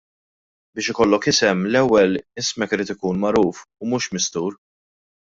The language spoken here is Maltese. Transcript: Biex ikollok isem l-ewwel ismek irid ikun magħruf u mhux mistur.